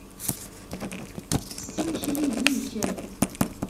Tettett imekli zik.